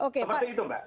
seperti itu mbak